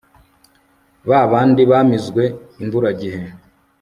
ba bandi bamizwe imburagihe